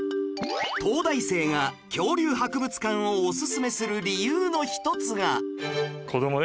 東大生が恐竜博物館をオススメする理由の一つが